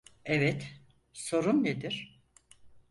Evet, sorun nedir?